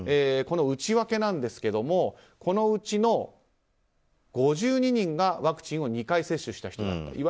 この内訳なんですがこのうちの５２人がワクチンを２回接種した人だと。